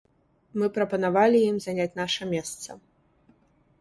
Мы прапанавалі ім заняць наша месца.